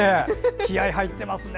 気合い入ってますね。